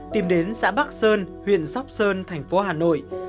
tìm đến xã bắc sơn huyện sóc sơn thành phố hà nội